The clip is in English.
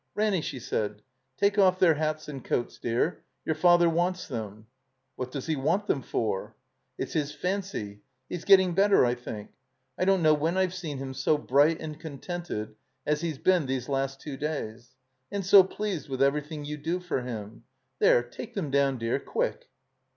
"Raimy,*' she said, "take off their hats and coats, dear. Your Father wants them." "What does he want them for?" "It's his fancy. He's gettin' better, I think. I don't know when I've seen him so bright and con tented as he's been these last two days. And so pleased with everything you do for him — There, take them down, dear, quick."